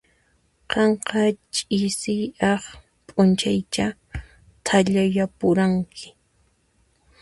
Qanqa ch'isiaq p'unchaychá thallayapuranki.